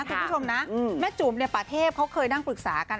คุณผู้ชมนะแม่จุ๋มเนี่ยป่าเทพเขาเคยนั่งปรึกษากัน